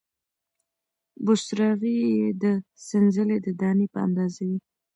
بوسراغې یې د سنځلې د دانې په اندازه وې،